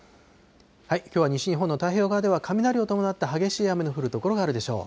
きょうは西日本の太平洋側では、雷を伴って激しい雨の降る所があるでしょう。